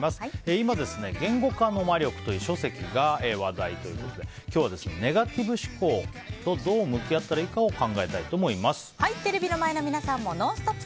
今、「言語化の魔力」という書籍が話題ということで今日はネガティブ思考とどう向き合ったらいいかテレビの前の皆さんもＮＯＮＳＴＯＰ！